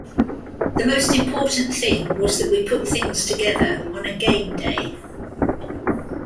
The most important thing was that we put things together on a game day.